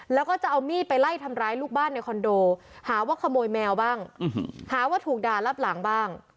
แล้วก็จะเอามีดไปไล่ทำร้ายลูกบ้านในคอนโดหาว่าขโมยแมวบ้างหาว่าถูกด่ารับหลังบ้าง